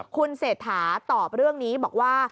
คุณเศรษฐาตอบเรื่องนี้บอกว่า